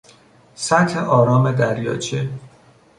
سطح آرام دریاچه